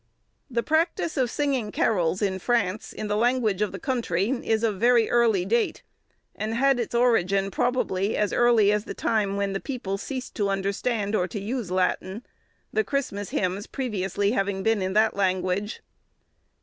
The practice of singing carols in France, in the language of the country, is of very early date, and had its origin, probably, as early as the time when the people ceased to understand or to use Latin, the Christmas hymns previously having been in that language.